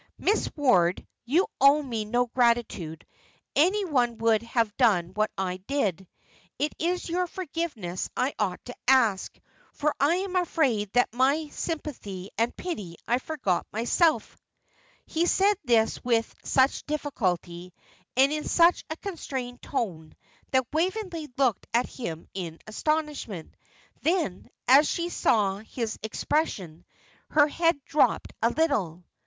"Miss Ward, you owe me no gratitude; any one would have done what I did. It is your forgiveness I ought to ask, for I am afraid that in my sympathy and pity I forgot myself." He said this with such difficulty, and in such a constrained tone, that Waveney looked at him in astonishment. Then, as she saw his expression, her head drooped a little.